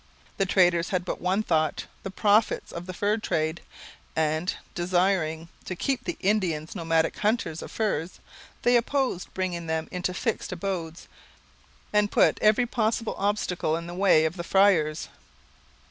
The traders had but one thought the profits of the fur trade; and, desiring to keep the Indians nomadic hunters of furs, they opposed bringing them into fixed abodes and put every possible obstacle in the way of the friars.